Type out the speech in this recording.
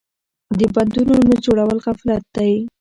د بندونو نه جوړول غفلت دی.